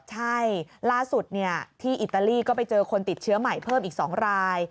ใช่ล่าสุดที่อิตาลีก็ไปเจอคนติดเชื้อใหม่เพิ่มอีก๒ราย